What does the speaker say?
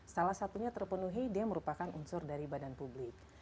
salah satunya terpenuhi dia merupakan unsur dari badan publik